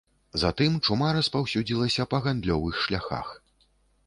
Затым чума распаўсюдзілася па гандлёвых шляхах.